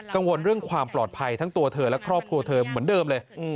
กังวลเรื่องความปลอดภัยทั้งตัวเธอและครอบครัวเธอเหมือนเดิมเลย